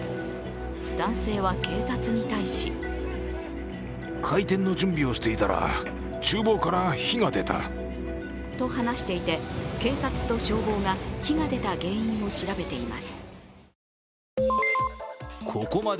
男性は警察に対しと話していて、警察消防が火が出た原因を調べています。